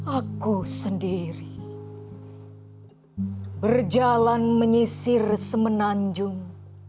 aku sendiri berjalan menyisir semenanjung